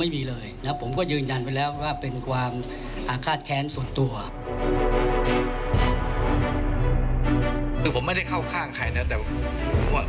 สนุนโดยน้ำดื่มสิงห์